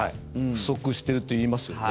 不足しているといいますよね。